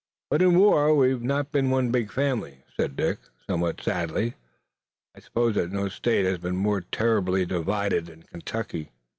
"But in the war we've not been one big family," said Dick, somewhat sadly. "I suppose that no state has been more terribly divided than Kentucky.